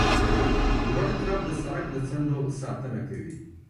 لوړ کرب د سرک د څنډو ساتنه کوي